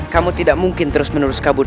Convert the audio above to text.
kamu tidak mungkin terus menerus kabur